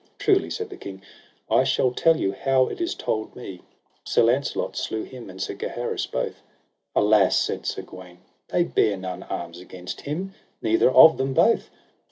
Truly, said the king, I shall tell you how it is told me, Sir Launcelot slew him and Sir Gaheris both. Alas, said Sir Gawaine, they bare none arms against him, neither of them both.